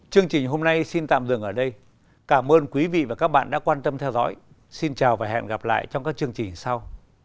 chương trình hôm nay xin tạm dừng ở đây cảm ơn quý vị và các bạn đã quan tâm theo dõi xin chào và hẹn gặp lại trong các chương trình sau